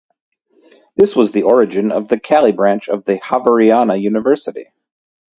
This was the origin of the Cali branch of the Javeriana University.